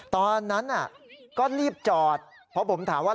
ตอนนั้นก็รีบจอดเพราะผมถามว่า